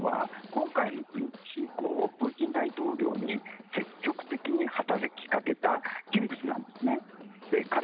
パトルシェフさんというのは今回の軍事侵攻をプーチン大統領に積極的に働きかけた人物なんです。